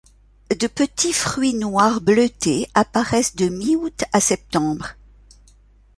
De petits fruits noir bleuté apparaissent de mi-août a septembre.